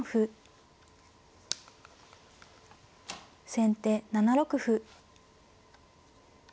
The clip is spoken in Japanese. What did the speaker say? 先手７六歩。